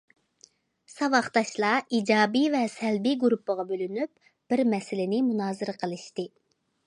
ساۋاقداشلار ئىجابىي ۋە سەلبىي گۇرۇپپىغا بۆلۈنۈپ بىر مەسىلىنى مۇنازىرە قىلىشتى.